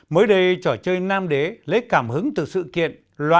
mới đây trò chơi nam đế lấy cảm hứng từ sự kiểm tra